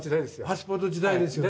パスポート時代ですよね。